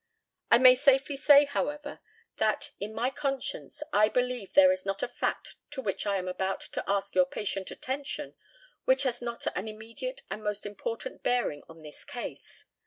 I may safely say, however, that, in my conscience, I believe there is not a fact to which I am about to ask your patient attention which has not an immediate and most important bearing on this case.